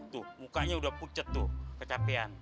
tuh mukanya udah pucet tuh kecapean